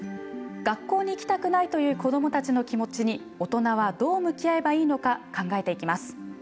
学校に行きたくないという子どもたちの気持ちに大人はどう向き合えばいいのか考えていきます。